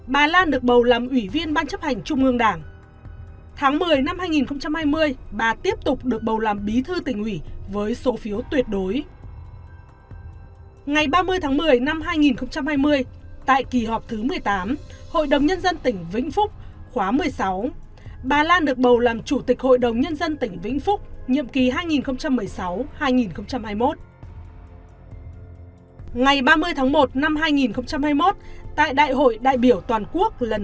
bà lan tiếp tục được bầu làm ủy viên ban chấp hành trung ương